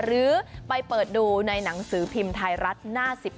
หรือไปเปิดดูในหนังสือพิมพ์ไทยรัฐหน้า๑๒